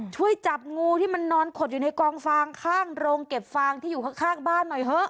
ช่วยจับงูที่มันนอนขดอยู่ในกองฟางข้างโรงเก็บฟางที่อยู่ข้างบ้านหน่อยเถอะ